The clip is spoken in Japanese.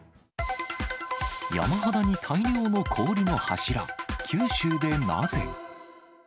山肌に大量の氷の柱、九州でなぜ？